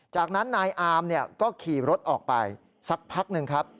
จากนั้นนายอามก็ขี่รถออกไปสักพักหนึ่งครับ